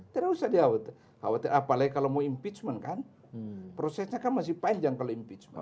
tidak usah di khawatir apalagi kalau mau impeachment kan prosesnya kan masih panjang kalau impeachment